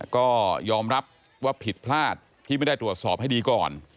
ก็ยอมรับว่าผิดพลาดที่ไม่ได้ตรวจสอบให้ดีก่อน